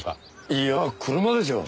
いやぁ車でしょう。